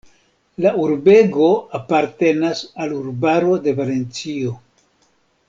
La urbego apartenas al urbaro de Valencio.